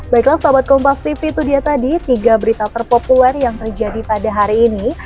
baiklah sahabat kompas tv itu dia tadi tiga berita terpopuler yang terjadi pada hari ini